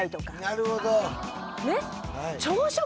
なるほど！